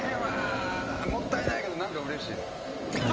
もったいないけど何かうれしいです。